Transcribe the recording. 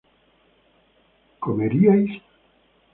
¿comeríais?